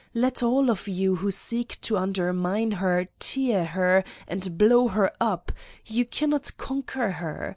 Let all of you who seek to under mine her, tear her, and blow her up you cannot conquer her.